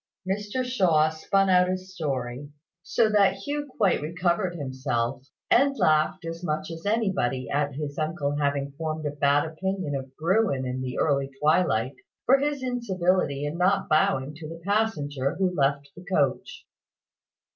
Mr Shaw spun out his story, so that Hugh quite recovered himself, and laughed as much as anybody at his uncle having formed a bad opinion of Bruin in the early twilight, for his incivility in not bowing to the passenger who left the coach.